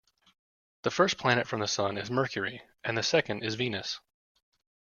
The first planet from the sun is Mercury, and the second is Venus